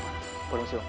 pernah langsung om